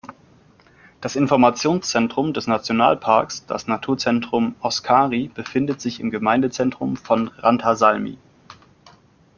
Das Informationszentrum des Nationalparks, das „Naturzentrum Oskari“, befindet sich im Gemeindezentrum von Rantasalmi.